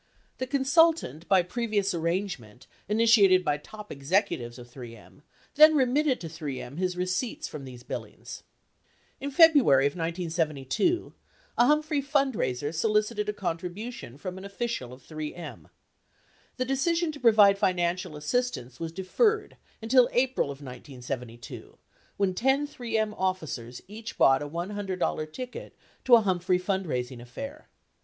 The consultant, by previous arrangement initiated by top executives of 3 M, then remitted to 3 M his receipts from these billings. In February of 1972, a Humphrey fund raiser solicited a contribution from an official of 3 M. The decision to provide financial assistance was deferred until April of 1972 when ten 3 M officers each bought a $100 ticket to a Humphrey fund raising affair.